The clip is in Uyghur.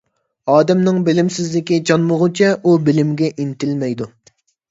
ئادەمنىڭ بىلىمسىزلىكى چانمىغۇچە، ئۇ بىلىمگە ئىنتىلمەيدۇ.